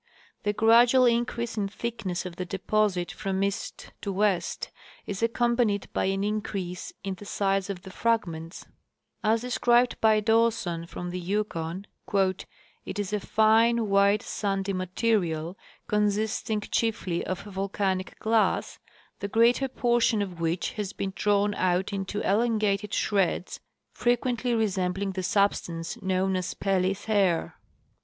The gradual increase in thickness of the deposit from east to west is accompanied by an increase in the size of the fragments. 148 C. W. Hayes — Expedition through, the Yukon District. As described by Dawson * from the Yukon, " It is a fine, white, sandy material *^«* consisting chiefly of volcanic glass, *>:«* the greater portion of which has been drawn out into elongated shred§, frequently resembling the substance known as ' Pele's hair.'